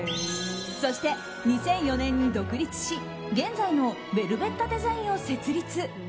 そして２００４年に独立し現在のベルベッタ・デザインを設立。